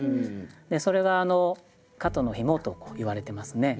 でそれが蝌蚪の紐といわれてますね。